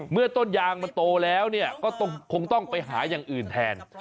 เมื่อต้นยางมันโตแล้วก็คงต้องไปหาอย่างอื่นแทน